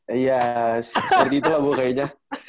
iya seperti itulah bu kayaknya